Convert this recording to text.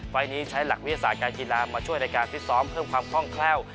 ไฟล์นี้ใช้หลักวิทยาศาสตร์การกีฬามาช่วยในการฟิตซ้อมเพิ่มความคล่องแคล่ว